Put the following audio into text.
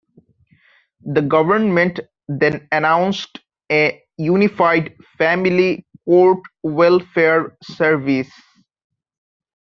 The government then announced a unified family court welfare service.